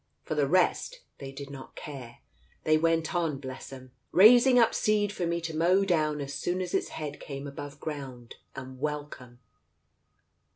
For the rest, they did not care. They went on, bless 'em, raising up seed for me to mow down as soon as its head came above ground, and welcome